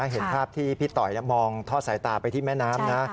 เห็นภาพที่พี่ต่อยมองทอดสายตาไปที่แม่น้ำนะ